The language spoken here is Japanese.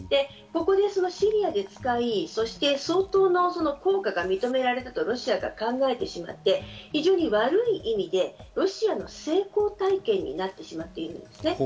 ここでシリアで使い相当の効果が認められたとロシアが考えてしまって、非常に悪い意味でロシアの成功体験になってしまっているんですね。